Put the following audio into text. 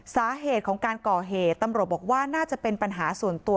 สาเหตุของการก่อเหตุตำรวจบอกว่าน่าจะเป็นปัญหาส่วนตัว